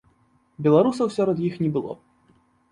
Беларусаў сярод іх не было.